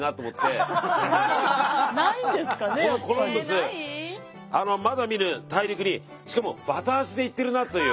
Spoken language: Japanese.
このコロンブスまだ見ぬ大陸にしかもバタ足で行ってるなという。